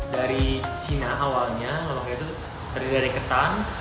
dari cina awalnya loloknya itu terdiri dari ketan